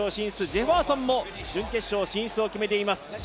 ジェファーソンも準決勝進出を決めています。